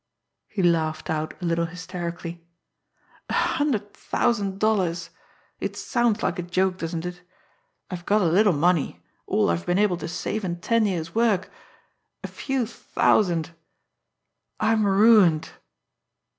He laughed out a little hysterically. "A hundred thousand dollars! It sounds like a joke, doesn't it? I've got a little money, all I've been able to save in ten years' work, a few thousand. I'm ruined."